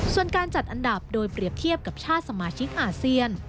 ส่วนการจัดอันดับโดยเปรียบเทียบกับชาติสมาชิกอาเซียน